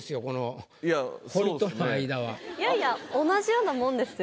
いやいや同じようなもんですよ。